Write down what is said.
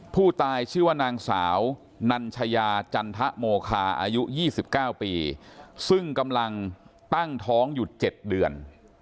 ผู้ตายชื่อว่านางสาวนัญชายาจันทะโมคาอายุ๒๙ปีซึ่งกำลังตั้งท้องอยู่๗เดือน